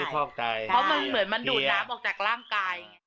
เพราะมันเหมือนมันดูดน้ำออกจากร่างกายไง